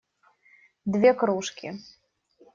Две кружки.